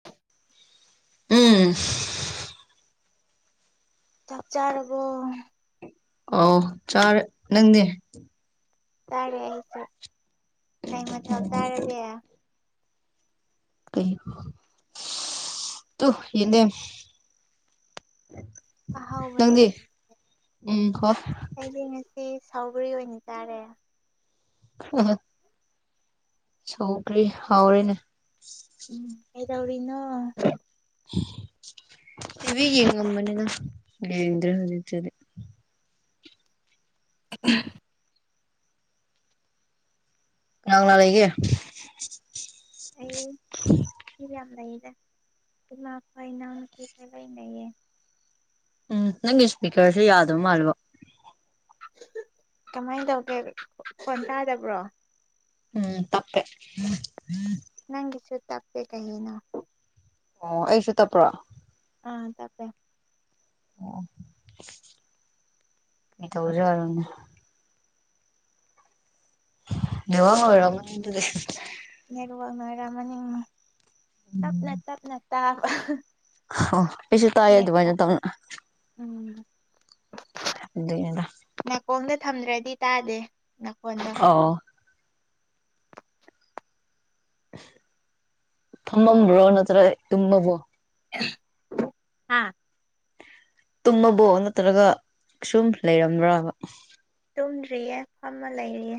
[unintelligible] ꯑꯣ ꯆꯞ ꯆꯥꯔꯕꯣ ꯑꯥꯎ ꯆꯔ ꯅꯗꯤ ꯇꯥꯔꯦ ꯑꯩꯁꯦ ꯀ ꯃꯊꯥ ꯇꯥꯔꯒꯦ ꯀꯩ ꯇ ꯌꯦꯅꯦ ꯑꯍꯥꯎꯕꯅꯤꯅꯦ ꯎꯝ ꯍꯣ ꯑꯩꯁ ꯉꯁꯤ ꯁꯥꯎꯕꯔꯤ ꯑꯣꯏꯅ ꯆꯥꯔꯦ ꯑ ꯁꯧꯈꯔꯤ ꯍꯧꯥꯎꯔꯤꯦꯅꯦ ꯎꯝ ꯀꯩꯗꯧꯔꯤꯅꯣ ꯏ ꯌꯦ ꯉꯝꯕꯅꯤꯅ ꯗ꯭ꯔ ꯑꯣꯏꯖꯤꯗꯤ [unintelligible] ꯅꯥꯡ ꯂ ꯂꯩꯒ ꯑꯩ ꯏꯕꯤ ꯌꯥꯝ ꯂꯩꯏ ꯏꯃ ꯐꯥꯏꯅꯎꯅ ꯀ ꯐꯥꯏ ꯂꯩ ꯂꯩꯌꯦ ꯎꯝ ꯅꯪꯒꯤ ꯏꯁꯄꯤꯀꯔꯁꯦ ꯌꯥꯗꯧ ꯃꯥꯜꯂꯕ ꯀꯃꯥꯏꯅ ꯇꯧꯒꯦ ꯐꯣꯟ ꯇꯥꯗꯕ꯭ꯔꯣ ꯎꯝ ꯇꯄꯦ ꯅꯪꯁꯨ ꯇꯞꯦ ꯀꯍꯅ ꯑꯣ ꯑꯩꯁꯨ ꯇꯞꯄ꯭ꯔꯣ ꯑꯥ ꯇꯄꯦ ꯑꯣ ꯀꯩ ꯇꯧꯁꯨꯔꯅꯦ ꯋꯥ ꯑꯃ ꯑꯣꯏꯔꯃꯅꯤꯗꯗꯤ ꯂꯅꯔꯝ ꯅꯤꯡ ꯇꯞꯅ ꯇꯞꯅ ꯇꯥꯕ ꯑꯣ ꯄꯁꯨ ꯇ ꯅꯦꯠꯋꯥꯛ ꯑꯗꯨꯃꯠꯇꯅ ꯎꯝ ꯑꯗꯨꯗꯒꯤ ꯑꯗ ꯀꯣꯡꯗ ꯊꯝꯗ꯭ꯔꯗꯤ ꯇꯥꯗꯦ ꯅꯀꯣꯟꯗꯣ ꯑꯣ ꯐꯝꯃꯝꯕ꯭ꯔꯣ ꯅꯠꯇ꯭ꯔꯒ ꯇꯨꯝꯕꯕꯨꯣ ꯍꯥꯥ ꯇꯨꯝꯃꯕꯣ ꯅꯠꯇ꯭ꯔꯒ ꯁꯨꯝ ꯂꯩꯔꯝꯕ꯭ꯔꯕ ꯇꯨꯝꯗ꯭ꯔꯤꯌꯦ ꯐꯝꯃ ꯂꯩꯔꯤꯌꯦ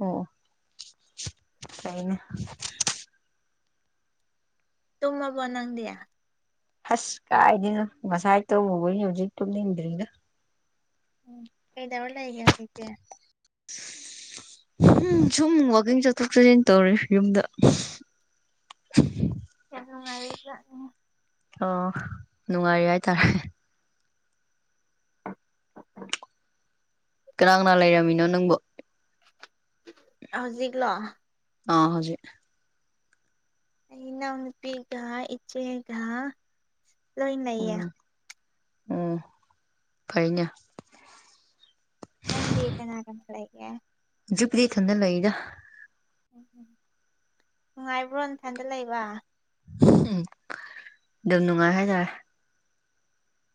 ꯑꯣ ꯀꯩꯅ [unintelligible] ꯇꯃ ꯅꯥꯗꯌꯥ ꯑꯁ ꯀꯥꯏꯗꯅꯣ ꯉꯁꯥꯏ ꯇꯧꯕꯕ ꯍꯧꯖꯤꯛ ꯇꯨꯝꯅꯤꯡꯟꯗ꯭ꯔꯤꯗ ꯎ ꯀꯩꯗꯕꯔ ꯂꯒꯦ ꯆꯇ ꯎꯝ ꯁꯨꯝ ꯋꯥꯋꯀꯤꯡ ꯆꯠꯊꯣꯛ ꯆꯠꯁꯤꯟ ꯇꯧꯔꯦ ꯌꯨꯝꯗ ꯍ ꯃꯗ ꯑꯣ ꯅꯨꯡꯉꯥꯏꯔꯤ ꯍꯥꯏꯇꯥꯔꯦ ꯑ ꯑ ꯀꯔꯥꯡ ꯅꯥ ꯂꯩꯔꯝꯃꯤꯅꯣ ꯅꯪꯕꯨ ꯍꯧꯖꯤꯛꯂꯣ ꯑ ꯍꯧꯖꯤ ꯑꯩꯅ ꯅꯨꯄꯤꯤꯒ ꯏꯆꯦꯒ ꯂꯣꯏꯅꯦ ꯑꯣ ꯐꯩꯩꯅ ꯍꯪꯗꯤ ꯀꯅꯥ ꯀꯟ ꯊ ꯂꯩꯒ ꯍꯧꯖꯤꯄꯗꯤ ꯏꯊꯟꯇ ꯂꯩꯔ ꯎꯝ ꯎꯝ ꯅꯨꯡꯉꯥꯏꯕ꯭ꯔꯣ ꯏꯐꯟꯗ ꯂꯩꯕ ꯎꯝ ꯑꯗꯨꯝ ꯅꯨꯡꯉꯥꯏ ꯍꯥꯏꯇꯥꯔꯦ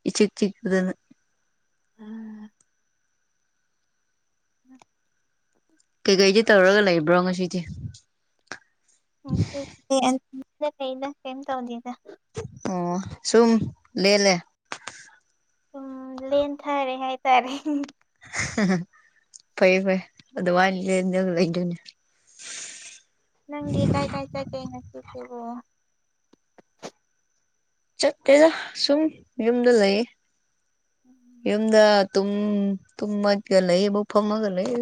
ꯏ ꯆꯤ ꯆꯤꯗꯅ ꯎꯝ ꯎꯝ ꯀꯩꯀꯩꯗꯤ ꯇꯧꯔꯒ ꯂꯩꯕ꯭ꯔꯣ ꯉꯁꯤꯗꯤ ꯗ ꯀꯝ ꯇꯧꯗꯗ ꯑꯣ ꯁꯨꯝ ꯂꯦꯂꯦ ꯎꯝ ꯂꯦꯟ ꯊꯥꯔꯦ ꯍꯥꯏꯇꯥꯔꯦ ꯐꯩ ꯐꯩ ꯑꯗ ꯋꯥꯅꯤꯂ ꯀꯩꯩꯅꯅꯤ ꯅꯪꯦ ꯀꯥꯏ ꯀꯥꯏ ꯆ ꯀꯩ ꯅꯁꯕꯣ ꯆꯠꯇꯦꯗ ꯁꯨꯝ ꯌꯨꯝꯗ ꯂꯩ ꯎꯝ ꯌꯨꯝꯗ ꯇꯨꯝ ꯇꯨꯝꯃꯠꯒ ꯂꯩꯌꯦꯕꯨ ꯐꯝꯃꯒ ꯂꯩꯌꯦ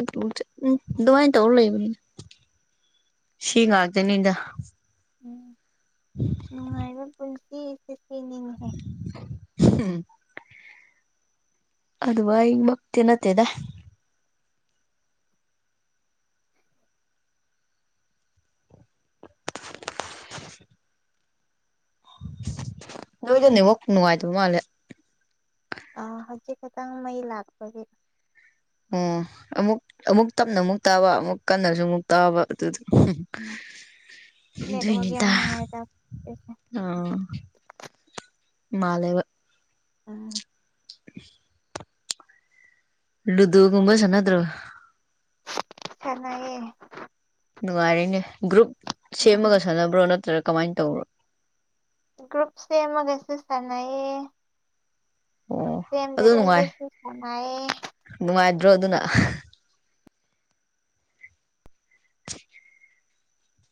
ꯎꯝ ꯑꯗꯨꯃꯥꯏꯅ ꯇꯧꯔ ꯂꯩꯕꯅꯤꯅ [unintelligible] ꯁꯤꯤꯒꯥꯛꯗꯦꯅꯤꯗ ꯅꯨꯡꯉꯥꯏꯕ ꯄꯨꯟꯁꯤ ꯑꯁꯤꯅꯤꯡꯉꯤ ꯑꯗ ꯋꯥ ꯏ ꯃ ꯇꯅꯠꯇꯦꯗ [unintelligible] ꯅꯣꯏꯗꯅꯦꯕ ꯅꯨꯡꯉꯥꯏꯇꯕ ꯃꯥꯜꯂꯦ ꯑ ꯍꯧꯖꯤꯛ ꯈꯇꯪ ꯃꯩ ꯂꯥꯛꯄꯒꯤ ꯑꯣ ꯑꯃꯨꯛ ꯑꯃꯨꯛ ꯇꯞꯅ ꯑꯃꯨꯛ ꯇꯥꯕ ꯑꯃꯨꯛ ꯀꯟꯅꯁꯨ ꯑꯃꯨꯛ ꯇꯥꯕ ꯑꯗꯨꯗ ꯎꯝ ꯅꯦꯠꯋꯥꯛ ꯌꯥꯝ ꯨꯅꯤꯇꯥ ꯅꯨꯡꯉꯥꯏꯇꯕꯁꯦ ꯑ ꯃꯥꯂꯕ ꯑꯥ [unintelligible] ꯏꯗꯨ ꯀꯨꯝꯕ ꯆꯅꯥ ꯑꯗꯨ꯭ꯔꯣ ꯈꯅꯥꯑꯌꯦ ꯅꯨꯡꯉꯥꯏꯔꯤꯅꯦ ꯒ꯭ꯔꯨꯞ ꯁꯦꯝꯃꯒ ꯁꯥꯟꯅꯕ꯭ꯔꯣ ꯅꯠꯇ꯭ꯔꯥ ꯀꯃꯥꯏꯅ ꯇꯧꯕ꯭ꯔꯣ ꯭ꯔꯨꯨꯞꯁꯦ ꯃꯒ ꯑꯦꯁꯤꯁꯇꯅꯑ ꯑꯣ ꯑꯗꯨ ꯅꯨꯡꯉꯥꯏ ꯁꯥꯟꯅꯩꯌꯦ ꯅꯨꯡꯉꯥꯏꯗ꯭ꯔꯣ ꯑꯗꯨꯅ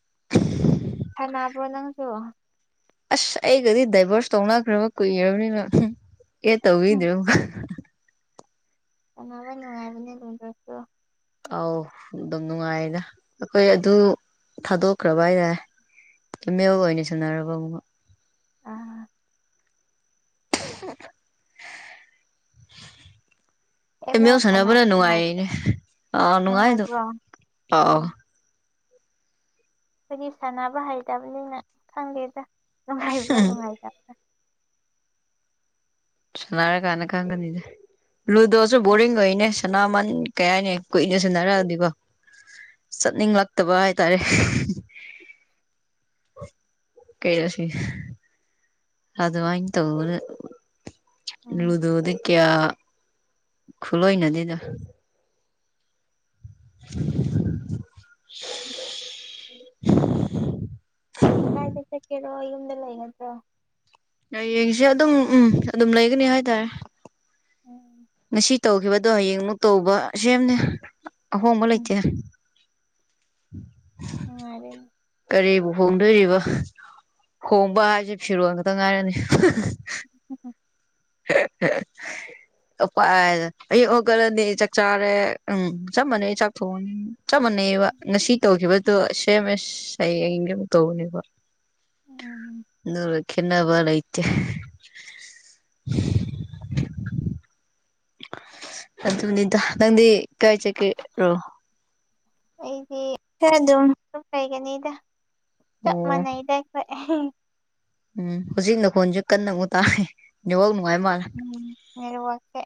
[unintelligible] ꯃꯥꯅꯥ ꯄꯨꯣ ꯂꯉꯁꯨꯣ ꯑꯁ ꯑꯩꯒꯗꯤ ꯗꯥꯏꯚꯣꯔꯁ ꯇꯧꯅꯈ꯭ꯔꯕ ꯀꯨꯏꯈꯔꯕꯅꯤꯅ ꯑꯦ ꯇꯧꯗ ꯀꯅꯥꯕ ꯅꯨꯡꯉꯥꯏꯕꯅꯤ ꯂꯗꯁꯨꯣ ꯑꯥꯎ ꯑꯗꯨꯝ ꯅꯨꯡꯉꯥꯏꯅ ꯑꯩꯈꯣꯏ ꯑꯗꯨ ꯊꯥꯗꯣꯛꯈ꯭ꯔꯕ ꯍꯥꯏꯇꯥꯔꯦ ꯃ ꯑꯣꯏꯅꯤ ꯁꯅꯔꯣꯔꯕ ꯑꯥ [unintelligible] ꯑꯦꯝ ꯑꯦꯃꯤ ꯑꯦꯜ ꯍꯧ ꯁꯅꯕꯅ ꯁꯥꯟꯅꯕ ꯅꯨꯡꯉꯥꯏꯕ꯭ꯔꯣ ꯅꯅꯨꯡꯉꯥꯏꯅꯦ ꯑꯥ ꯅꯅꯨꯡꯉꯥꯏꯗ ꯅꯨꯡꯉꯥꯏꯕ꯭ꯔꯣ ꯎꯝ ꯑ ꯐꯗꯤ ꯁꯥꯟꯅꯕ ꯍꯥꯏꯇꯕꯅꯤꯅ ꯈꯪꯗꯦꯗ ꯅꯨꯡꯉꯥꯏꯕ꯭ꯔꯥ ꯅꯨꯡꯉꯥꯏꯇꯕ꯭ꯔꯥ ꯁꯅꯔ ꯀꯥꯟꯅ ꯀꯥꯟꯒꯅꯤꯗ ꯂꯨꯗꯣꯁꯨ ꯕꯣꯔꯤꯡ ꯑꯣꯏꯅꯦ ꯁꯅꯥꯃꯟ ꯀꯌꯥꯅꯤ ꯀꯨꯏꯅ ꯁꯟꯅꯔꯛꯑꯗꯤꯀꯣ ꯆꯠꯅꯤꯡꯂꯛꯇꯕ ꯍꯥꯏꯇꯥꯔꯦ ꯀꯩꯂꯁ ꯑꯗꯨ ꯋꯥꯏ ꯇꯧꯕꯔ ꯎꯝ ꯂꯨꯗꯨꯗꯤ ꯀꯌꯥ ꯈꯨꯠꯂꯣꯏꯅꯗꯗ [unintelligible] ꯭ꯔꯣ ꯌꯨꯝꯗ ꯂꯩ ꯅꯠꯇ꯭ꯔꯣ ꯍꯌꯦꯡꯁꯦ ꯑꯗꯨꯝ ꯎꯝ ꯑꯗꯨꯝ ꯂꯩꯒꯅꯤ ꯍꯥꯏꯇꯥꯔꯦ ꯎꯝ ꯉꯁꯤ ꯇꯧꯈꯤꯕꯗꯣ ꯍꯌꯦꯡꯃꯨꯛ ꯇꯧꯕ ꯁꯦꯝꯅꯦ ꯑꯍꯣꯡꯕ ꯂꯩꯇꯦ ꯍ [unintelligible] [inaudible] ꯅꯨꯡꯉꯥꯏꯔꯦꯅꯦ ꯀꯔꯤꯕꯨ ꯍꯣꯡꯗꯣꯏꯔꯤꯕ ꯍꯣꯡꯕ ꯍꯥꯏꯁꯦ ꯐꯤꯔꯣꯟꯜ ꯈꯛꯇ ꯉꯥꯏꯔꯅꯤ [unintelligible] [inaudible] ꯎ ꯑꯌꯛ ꯍꯧꯒꯠꯂꯅꯤ ꯆꯥꯛ ꯆꯥꯔꯦ ꯎꯝ ꯆꯞ ꯃꯥꯟꯅꯩ ꯆꯥꯛ ꯊꯣꯡꯑꯅꯤ ꯆꯞ ꯃꯥꯟꯅꯩꯑꯕ ꯉꯁꯤ ꯇꯧꯈꯤꯕꯗꯣ ꯁꯦꯝ ꯑꯦꯁ ꯍꯌꯦꯡꯡꯒ ꯑꯃꯨꯛ ꯇꯧꯕꯅꯦꯕ ꯎꯝ ꯅꯔ ꯀꯅꯕꯔꯩꯇꯦ [unintelligible] [inaudible] ꯑꯗꯨꯅꯤꯗ ꯅꯪꯗꯤ ꯀꯥꯏ ꯆꯠꯒꯦꯔꯣ ꯑꯩꯗꯤ ꯈꯔ ꯑꯗꯨꯝ ꯂꯩꯒꯅꯤꯗ ꯆꯞ ꯑꯣ ꯃꯥꯟꯅꯩꯗ ꯑꯩꯈꯣꯏ ꯑ [unintelligible] [inaudible] ꯎꯝ ꯍꯧꯖꯤꯛ ꯅꯈꯣꯟꯁꯨ ꯀꯟꯅ ꯑꯃꯨꯛ ꯇꯥꯔ ꯎꯝ ꯃꯔ ꯋꯥꯁ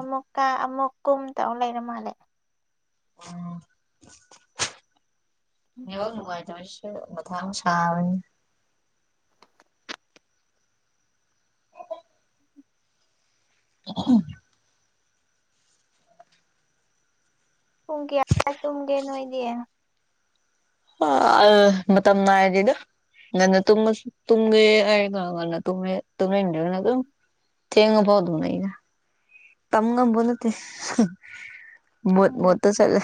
ꯑꯃꯨꯀ ꯀ ꯑꯃꯨꯛ ꯀꯨꯝ ꯇꯥꯎ ꯂꯩꯔ ꯃꯥꯜꯂꯦ ꯎꯝ ꯃ ꯋꯥꯅꯨꯡꯉ ꯑꯗꯨꯁ ꯃꯊꯪ ꯁꯅꯤ ꯑ [unintelligible] [inaudible] ꯄꯨꯡ ꯀꯌꯥ ꯇꯨꯝꯒꯦ ꯅꯣꯏꯗꯤꯦ ꯑ ꯑ ꯃꯝꯅ ꯍꯥꯏꯗꯒ ꯅ ꯇ ꯏ ꯑꯗꯨ ꯊꯦꯡꯉ ꯐꯥꯎꯗ ꯅꯏꯗ ꯇꯃꯒꯣꯅꯠꯇ ꯃꯠ ꯃ ꯎꯝ ꯆꯂ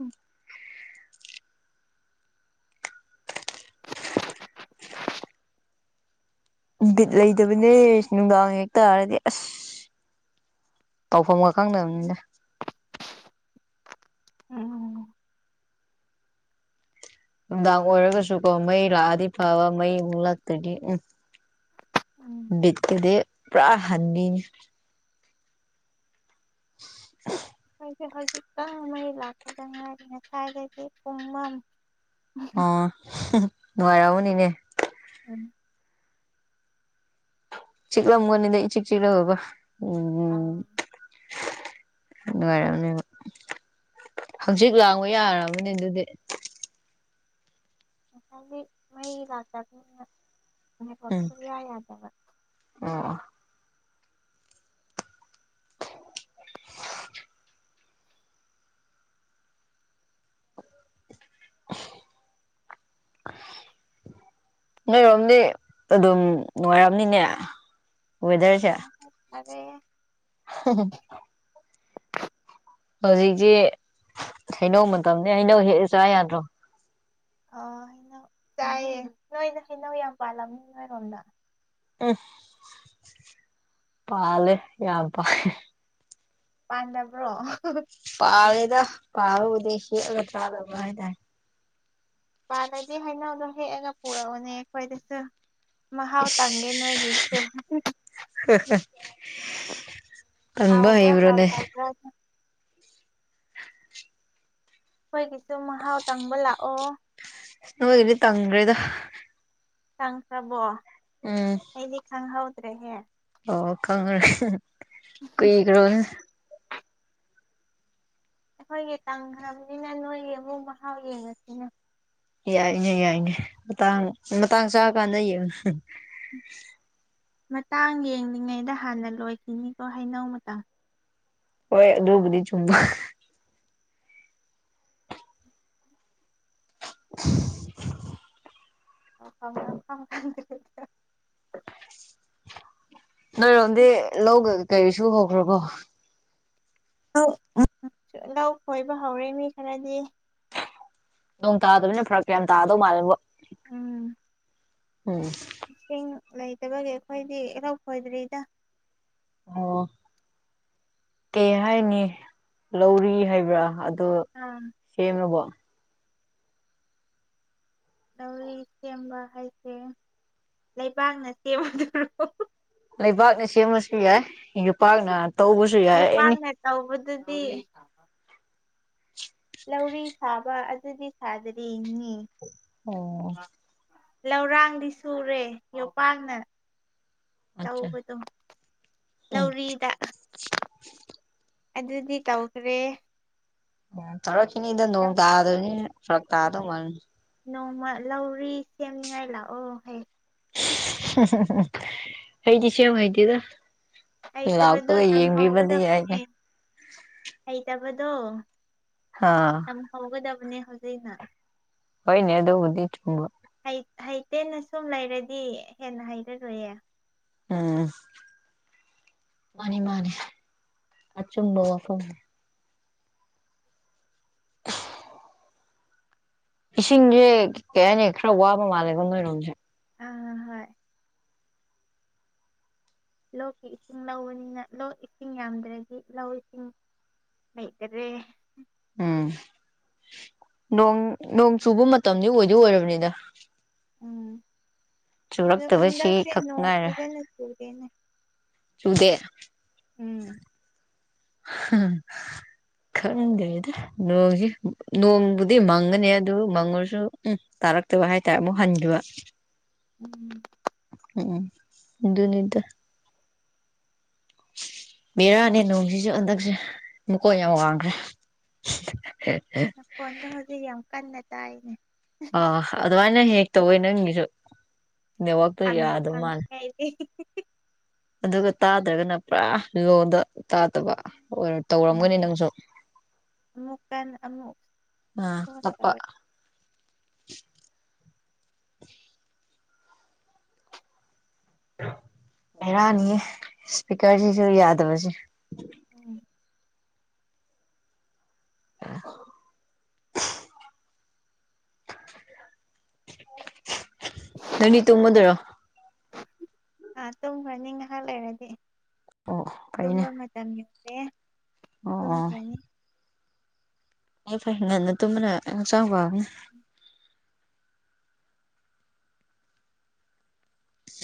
ꯎꯝ ꯕꯤꯠ ꯂꯩꯇꯕꯅꯦ ꯅꯨꯡꯗꯥꯡ ꯍꯦꯛ ꯇꯥꯔꯗꯤ ꯑꯁ ꯇꯧꯐꯝꯒ ꯈꯪꯗꯕꯅꯤꯅ ꯎꯝ ꯅꯨꯡꯗꯥꯡ ꯑꯣꯏꯔꯒꯁꯨꯀꯣ ꯃꯩ ꯂꯥꯛꯑꯗꯤ ꯐꯕ ꯃꯩ ꯑꯃꯨꯛ ꯂꯥꯛꯛꯇꯗꯤ ꯎꯝ ꯎꯝ ꯕꯤꯠꯀꯗ ꯄꯨꯔꯥ ꯍꯥꯟꯕꯤꯅꯤ [inaudible] [unintelligible] ꯍꯧꯖꯤꯛꯛꯇ ꯃꯩ ꯂꯥꯛꯀꯗ ꯉꯥꯏꯔꯤ ꯉꯁꯥꯏꯗꯩꯗꯤ ꯄꯨꯡꯃꯝ ꯑꯣ ꯅꯉꯥꯏꯔꯕꯨꯅꯤꯅꯦ ꯎꯝ ꯆꯤꯛꯂꯝꯒꯅꯤꯗ ꯆꯤꯛ ꯆꯤꯛꯂꯕ ꯎꯝꯝ ꯑꯥ ꯅꯨꯡꯉꯔꯅꯦ ꯍꯧꯖꯤꯛ ꯂꯥꯡꯕ ꯌꯥꯔꯕꯅꯦ ꯑꯗꯨꯗꯤ ꯁ ꯃ ꯂꯥꯛ ꯇ ꯑ ꯎꯝ ꯄꯨꯁꯨꯕ ꯌꯥ ꯌꯥꯗꯕ ꯑꯣ [unintelligible] [inaudible] ꯅꯣꯏꯔꯣꯝꯅꯦ ꯑꯗꯨꯝ ꯅꯨꯡꯉꯥꯏꯔꯑꯝꯅꯤꯅꯦ ꯑꯣꯏꯋꯦꯗꯔꯁ ꯅꯨꯡꯉꯥꯏ ꯐꯔꯦ [unintelligible] ꯍꯧꯖꯤꯛꯁꯤ ꯍꯩꯅꯧ ꯃꯇꯝꯅꯤꯅꯦ ꯍꯩꯅꯧ ꯍꯦꯛꯑ ꯆꯥ ꯌꯥꯗ꯭ꯔꯣ ꯑ ꯍꯩꯅ ꯆꯥꯏꯑ ꯅꯣꯏꯅ ꯍꯩꯅꯧ ꯌꯥꯝ ꯄꯥꯜꯂꯝꯅꯤ ꯅꯣꯏꯔꯣꯝꯗ ꯎ ꯄꯥꯜ ꯌꯥꯄꯥ ꯄꯥꯟꯗꯝꯕ꯭ꯔꯣ ꯄꯥꯔꯦꯗ ꯄꯥꯔꯨꯕꯗꯤ ꯍꯦꯛꯑꯒ ꯊ꯭ꯔꯥꯗꯕ ꯍꯥꯏꯇꯥꯔꯦ ꯄꯥꯗꯗꯤ ꯍꯩꯅꯧꯗꯣ ꯍꯦꯛꯑꯒ ꯄꯨꯔꯛꯎꯅꯦ ꯑꯩꯈꯣꯏꯗꯁꯨ ꯃ ꯍꯥꯎ ꯇꯪꯒꯦ ꯅ ꯍꯣꯏ ꯇꯟꯕ ꯍꯥꯎꯕ ꯍꯩꯕ꯭ꯔꯣꯅꯦ ꯍꯥꯎꯗ꯭ꯔ ꯑꯩꯈꯣꯏꯒꯤꯁꯨ ꯃꯍꯥꯎ ꯇꯪꯕ ꯂꯥꯛꯑꯣ ꯅ ꯏꯗꯤ ꯇꯪ꯭ꯔꯗ ꯈꯪꯈ꯭ꯔꯕꯣ ꯑꯩꯗꯤ ꯈꯪꯍꯧꯗ꯭ꯔꯦꯍꯦ ꯑꯣ ꯈꯪꯉ꯭ꯔ ꯀ ꯀ꯭ꯔꯣ ꯑꯩꯈꯣꯏꯒꯤ ꯇꯝꯈ꯭ꯔꯕꯅꯤꯅ ꯅꯣꯏꯒꯤ ꯑꯃꯨꯛ ꯃꯍꯥꯎ ꯌꯦꯡꯉꯁꯤꯅ ꯌꯥꯏꯅꯦ ꯌꯥꯏꯅꯦ ꯃꯇꯥꯡ ꯃꯇꯥꯡ ꯆꯥꯀꯥꯟꯗ ꯌꯦ ꯃꯇꯥꯡ ꯌꯦꯡꯂꯤꯉꯩꯗ ꯍꯥꯟꯅ ꯂꯣꯏꯈꯤꯅꯤꯀꯣ ꯍꯥꯏꯩꯅꯧ ꯃꯇꯝ ꯍꯣꯏ ꯑꯗꯨꯕꯗꯤ ꯆꯨꯝꯕ [inaudible] [inaudible] ꯅꯣꯏꯔꯣꯝꯗꯤ ꯂꯧ ꯀꯩꯁꯨ ꯍꯧꯈ꯭ꯔꯣꯀꯣ ꯂꯧ ꯈꯣꯏꯕ ꯍꯧꯔꯦ ꯃꯤ ꯈꯔꯗꯤ ꯅꯣꯡ ꯇꯥꯗꯕꯅꯤꯅ ꯐꯔꯛ ꯀꯌꯥꯝ ꯇꯥꯗꯧ ꯃꯥꯜꯜꯂꯤꯕꯣ ꯎꯝ ꯎꯝ ꯏꯁꯤꯡ ꯂꯩꯇꯕꯒꯤ ꯑꯩꯈꯣꯏꯗꯤ ꯏꯔꯧ ꯈꯣꯏꯗ꯭ꯔꯤꯗ ꯑꯣ ꯀꯩ ꯍꯥꯏꯅꯤ ꯂꯧꯔꯤ ꯍꯥꯏꯕ꯭ꯔꯥ ꯑꯗꯨꯣ ꯑꯥ ꯁꯤꯃꯕꯣ ꯂꯧꯔꯤ ꯁꯦꯝꯕ ꯍꯥꯏꯁꯦ ꯂꯩꯕꯥꯛꯅ ꯁꯦꯝꯕꯗꯔꯣ ꯂꯩꯕꯥꯛꯅ ꯁꯦꯝꯃꯁꯨ ꯌꯥꯏ ꯌꯣꯄꯥꯛꯅ ꯇꯧꯕꯁꯨ ꯌꯥꯏ ꯏ ꯀꯥꯟ ꯑꯦꯅꯤ ꯅꯦ ꯇꯕꯗꯨꯗꯤ ꯂꯧꯔꯤ ꯁꯥꯕ ꯑꯗꯨꯗꯤ ꯁꯥꯗ꯭ꯔꯤꯅꯤ ꯑꯣ ꯂꯧꯔꯥꯡꯗꯤ ꯁꯨꯔꯦ ꯌꯣꯄꯥꯅ ꯑꯠꯆꯥ ꯇꯧꯕꯗꯣ ꯎꯝ ꯂꯧꯔꯤꯗ ꯑꯗꯨꯗꯤ ꯇꯧꯈ꯭ꯔꯦ ꯐꯔꯛꯅꯤ ꯏꯗ ꯅꯣꯡ ꯇꯥꯗ ꯐꯔꯛ ꯇꯥꯗꯧ ꯃ ꯅꯣꯡꯃ ꯂꯧꯔꯤ ꯁꯦꯝꯅꯤꯉꯥꯏ ꯂꯥꯛꯑꯣ ꯍꯌꯦ ꯍꯩꯗꯤ ꯁꯦꯝ ꯌꯥꯝ ꯍꯩꯗꯤꯦꯗ ꯍꯩꯇꯕꯗꯣ ꯌꯥꯏꯅꯦ ꯇꯝꯍꯒꯗꯕꯅꯦ ꯍꯩꯇꯕꯗꯣ ꯑꯥ ꯌꯥꯝ ꯍꯧꯒꯗꯕꯅꯦ ꯍꯧꯖꯤꯛꯩꯅ ꯍꯣꯏꯅꯦꯗꯕꯨꯗꯤ ꯆꯨꯝꯕ ꯍꯩ ꯍꯩꯇꯦꯅ ꯁꯨꯝ ꯂꯩꯔꯗꯤ ꯍꯦꯟꯅ ꯍꯩꯔꯔꯨꯌꯦ ꯎꯝ ꯃꯥꯅꯤ ꯃꯥꯅꯦ ꯑꯆꯨꯝꯕ ꯋꯥꯐꯝꯐꯝ ꯏꯁꯤꯡꯁꯦ ꯀꯩ ꯍꯥꯏꯅꯤ ꯈꯔ ꯋꯥꯕ ꯃꯥꯜꯂꯦꯀꯣ ꯅꯣꯏꯔꯣꯝꯁꯦ ꯑꯥ ꯍꯣꯏ ꯂꯣꯛꯀꯤ ꯏꯁꯤꯡ ꯂꯧꯕꯅꯤꯅ ꯂꯣꯛ ꯏꯁꯤꯡ ꯌꯥꯝꯗ꯭ꯔꯗꯤ ꯂꯧ ꯏꯁꯤꯡ ꯃꯩꯇꯔꯦ ꯎꯝ ꯅꯣꯡ ꯅꯣꯡ ꯆꯨꯕ ꯃꯇꯝꯗꯤ ꯑꯣꯏꯗꯤ ꯑꯣꯏꯔꯕꯅꯤꯗ ꯑꯗꯨꯣ ꯆꯨꯔꯛꯇꯕꯁꯤ ꯈꯛ ꯑꯗꯅꯣ ꯉꯥꯏꯔꯦ ꯐꯖꯅ ꯇꯗꯦꯅꯦ ꯆꯨꯗꯦ ꯈꯪꯗꯦꯗ ꯅꯣꯡꯒꯤ ꯅꯣꯡꯕꯨꯗꯤ ꯃꯪꯒꯅꯤ ꯑꯗꯨ ꯃꯪꯉꯨꯔꯁꯨ ꯎꯝ ꯇꯥꯔꯛꯇꯕ ꯍꯥꯏꯇꯥꯔꯦ ꯑꯃꯨꯛ ꯍꯟꯈꯤꯕ ꯎꯝ ꯎꯝ ꯎꯝꯗꯨꯅꯤꯗ ꯕꯦꯔꯥꯅꯦ ꯅꯣꯡꯁꯤꯁꯨ ꯍꯟꯗꯛꯁꯦ ꯃꯨꯀꯣꯏ ꯌꯥꯝ ꯋꯥꯡꯈ꯭ꯔꯦ ꯐꯣꯟꯗ ꯍꯧꯖꯤꯛ ꯌꯥꯝ ꯀꯟꯅ ꯇꯥꯏꯅꯦ ꯑ ꯑꯗꯨꯃꯥꯏꯅ ꯍꯦꯛ ꯇꯧꯋꯏ ꯅꯪꯒꯤꯁꯨ ꯅꯦꯠꯋꯥꯛꯇꯣ ꯈꯪꯗ ꯌꯥꯗꯕ ꯈꯥꯡꯉꯤ ꯃꯥꯜꯂꯦ ꯍꯥꯏꯥꯏꯗꯤꯦ ꯑꯗꯨꯒ ꯇꯥꯗ꯭ꯔꯒꯅ ꯄꯨꯔꯥ ꯂꯣꯟꯗ ꯇꯥꯗꯕ ꯑꯣꯏ ꯎꯝ ꯇꯧꯔꯝꯒꯅꯤ ꯅꯪꯁꯨ ꯑꯃꯨꯛ ꯀꯟꯅ ꯑꯃꯨꯛ ꯑꯥ ꯁꯣꯟ ꯇꯞꯄ ꯇꯧꯋꯦ [inaudible] ꯍꯦꯔꯅꯤꯌꯦ ꯏꯁꯄꯤꯀꯔꯖꯤꯁꯨ ꯌꯥꯗꯕꯖꯤꯦ ꯎꯝ [unintelligible] [unintelligible] ꯅꯅꯤ ꯇꯨ ꯃꯗ꯭ꯔꯣ ꯑꯥ ꯇꯨꯝꯈ꯭ꯔꯅꯤ ꯉꯥꯏꯍꯥꯛ ꯂꯩꯔꯗꯤ ꯑꯣ ꯐꯩꯅꯦ ꯇꯨꯝꯕ ꯃꯇꯝꯒꯤ ꯑꯦ ꯑꯣ ꯑꯣ ꯐ ꯐꯔꯦ ꯉꯟꯅ ꯇꯨꯝꯕꯅ ꯍꯛꯆꯥꯡ ꯋꯥꯕꯅꯤ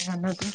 ꯍꯅ ꯀ